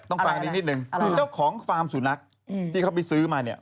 ฟังอันนี้นิดนึงเจ้าของฟาร์มสุนัขที่เขาไปซื้อมาเนี่ย